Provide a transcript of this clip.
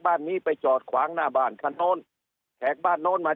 บ้านนี้ไปจอดขวางหน้าบ้านคันโน้นแขกบ้านโน้นมา